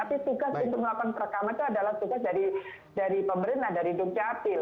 jadi mereka juga menolak untuk melakukan perekaman itu adalah tugas dari pemerintah dari jepil